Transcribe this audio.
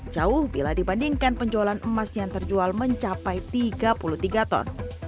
jauh bila dibandingkan penjualan emas yang terjual mencapai tiga puluh tiga ton